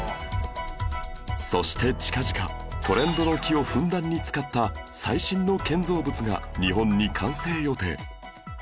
そして近々トレンドの木をふんだんに使った最新の建造物が日本に完成予定